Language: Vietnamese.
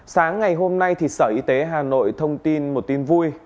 sáng ngày hôm nay sở y tế hà nội thông tin một tin vui